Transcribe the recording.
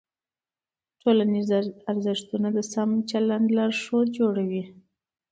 ټولنیز ارزښتونه د سم چلند لارښود جوړوي.